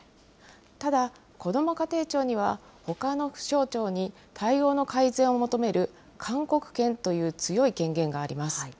ただ、こども家庭庁には、ほかの府省庁に対応の改善を求める勧告権という強い権限があります。